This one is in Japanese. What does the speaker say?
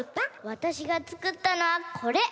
わたしがつくったのはこれ！